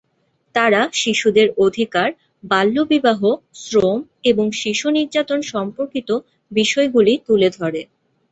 তারা শিশুদের অধিকার, বাল্যবিবাহ, শ্রম এবং শিশু নির্যাতন সম্পর্কিত বিষয়গুলি তুলে ধরে।